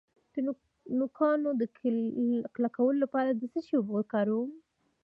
د نوکانو د کلکوالي لپاره د څه شي اوبه وکاروم؟